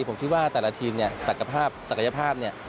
ผมคิดว่าแต่ละทีมเนี่ยศักยภาพเนี่ย